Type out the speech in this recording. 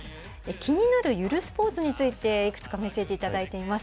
気になるゆるスポーツについて、いくつかメッセージ頂いています。